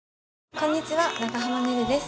こんにちは長濱ねるです。